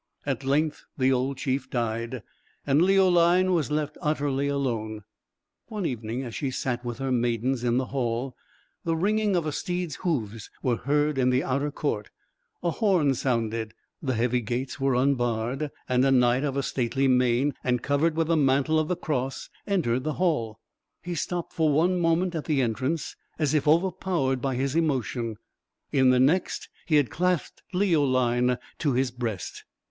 At length the old chief died, and Leoline was left utterly alone. One evening as she sat with her maidens in the hall, the ringing of a steed's hoofs was heard in the outer court; a horn sounded, the heavy gates were unbarred, and a knight of a stately mien and covered with the mantle of the Cross entered the hall; he stopped for one moment at the entrance, as if overpowered by his emotion; in the next he had clasped Leoline to his breast.